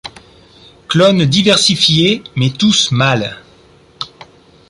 Clones diversifiés, mais tous mâles.